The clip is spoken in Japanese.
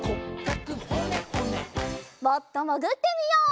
もっともぐってみよう。